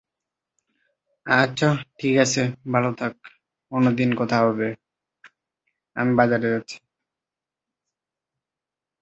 Party থেকে মনোনয়ন না পেয়ে বিদ্রোহী প্রার্থী হিসেবে নির্বাচনে অংশগ্রহণ করেন।